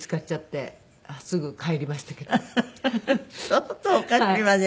相当おかしいわね